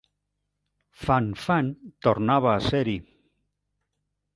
"Fan-Fan" tornava a ser-hi.